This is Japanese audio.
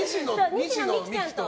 西野未姫と。